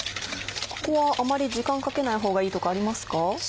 ここはあまり時間かけないほうがいいとかありますか？